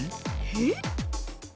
えっ？